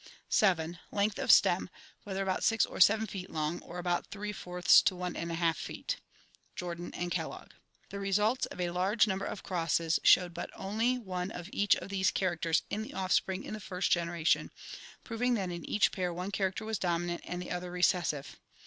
" 7. Length of stem, whether about six or seven feet long; or about three fourths to one and one half feet" (Jordan and Kellogg). The results of a large number of crosses showed but one only of each of these characters in the offspring in the first generation, proving that in each pair one character was dominant and the other recessive.